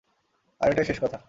আর এটাই শেষ কথা।